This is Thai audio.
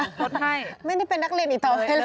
ต้องลดให้ฉันไม่ได้เป็นนักเรียนอีกต่อไปแล้ว